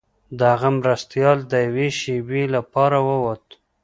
د هغه مرستیال د یوې شیبې لپاره ووت.